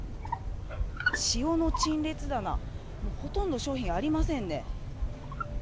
塩の陳列棚、もうほとんど商品ありませんね。